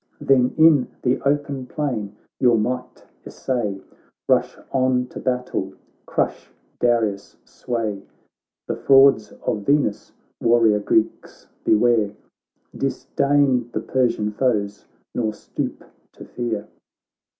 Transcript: Then in the open plain your might essay. Rush on to battle, crush Darius' sway ; The frauds of Venus, warrior Greeks, beware, Disdain the Persian foes, nor stoop to fear.'